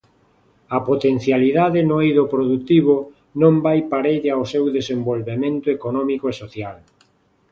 A potencialidade no eido produtivo non vai parella ao seu desenvolvemento económico e social.